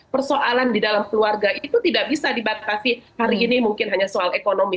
persoalan di dalam keluarga itu tidak bisa dibatasi hari ini mungkin hanya soal ekonomi